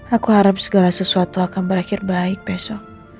aku harap segala sesuatu akan berakhir baik besok